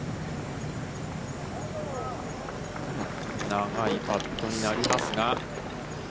長いパットになりますが。